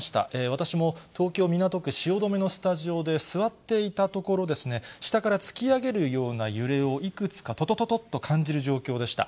私も東京・港区汐留のスタジオで座っていたところですね、下から突き上げるような揺れをいくつか、ととととっと感じる状況でした。